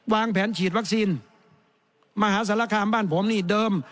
วางแผนฉีดวัคซีนมหาศาลคามบ้านผมนี่เดิม